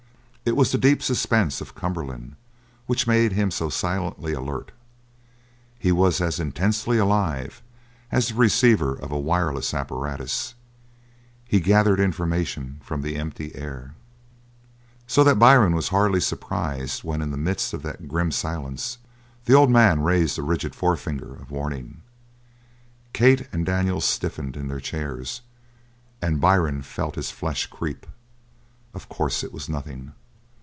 It was the deep suspense of Cumberland which made him so silently alert. He was as intensely alive as the receiver of a wireless apparatus; he gathered information from the empty air. So that Byrne was hardly surprised, when, in the midst of that grim silence, the old man raised a rigid forefinger of warning. Kate and Daniels stiffened in their chairs and Byrne felt his flesh creep. Of course it was nothing.